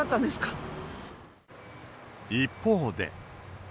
一方で。